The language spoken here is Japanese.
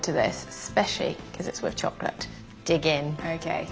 はい。